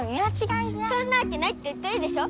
そんなわけないって言ってるでしょ！